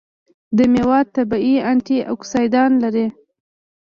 دا میوه طبیعي انټياکسیدان لري.